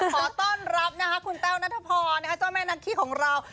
ขอต้อนรับคุณแต้วนัทพอร์เจ้าแม่นาคี่ของเรา